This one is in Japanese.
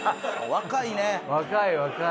若い若い。